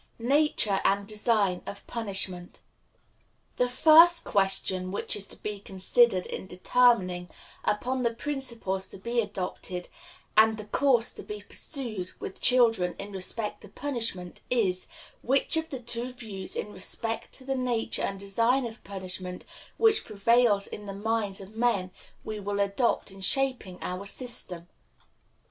Nature and Design of Punishment. The first question which is to be considered in determining upon the principles to be adopted and the course to be pursued with children in respect to punishment, is, which of the two views in respect to the nature and design of punishment which prevail in the minds of men we will adopt in shaping our system.